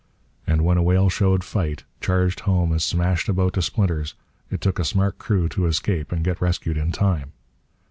And when a whale showed fight, charged home, and smashed a boat to splinters, it took a smart crew to escape and get rescued in time.